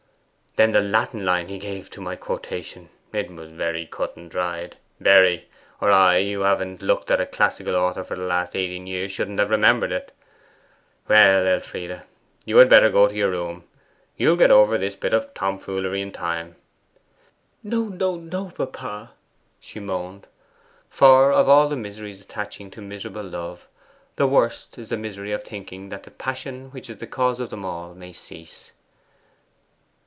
Then the Latin line he gave to my quotation; it was very cut and dried, very; or I, who haven't looked into a classical author for the last eighteen years, shouldn't have remembered it. Well, Elfride, you had better go to your room; you'll get over this bit of tomfoolery in time.' 'No, no, no, papa,' she moaned. For of all the miseries attaching to miserable love, the worst is the misery of thinking that the passion which is the cause of them all may cease.